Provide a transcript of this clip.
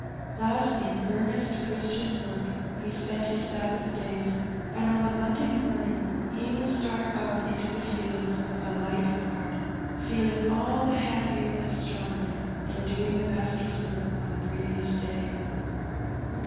Thus in earnest Christian work he spent his Sabbath days; and on the Monday morning he would start out into the fields with a light heart, feeling all the happier and stronger for doing the Master's work on the previous day.